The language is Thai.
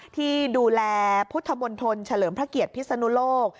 ที่ดูแลพุทธมนตรเฉลิมพระเกียรติพิศนุโลก